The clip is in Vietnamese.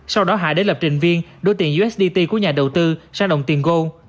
sau đó hải đến lập trình viên đối tiền usdt của nhà đầu tư sang đồng tiền gold